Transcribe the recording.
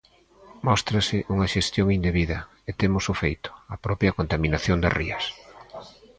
Móstrase unha xestión indebida, e temos o feito: a propia contaminación das rías.